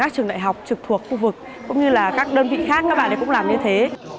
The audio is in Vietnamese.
các trường đại học trực thuộc khu vực cũng như là các đơn vị khác các bạn cũng làm như thế